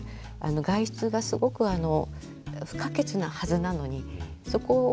外出がすごく不可欠なはずなのにそこをどうするかがない。